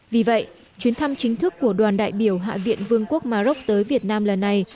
vì vậy chuyến thăm chính thức của đoàn đại biểu hạ viện vương quốc maroc tới việt nam lần này